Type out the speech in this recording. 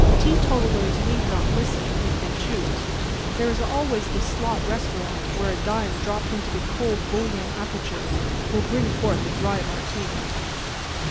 Teetotalers need not listen, if they choose; there is always the slot restaurant, where a dime dropped into the cold bouillon aperture will bring forth a dry Martini.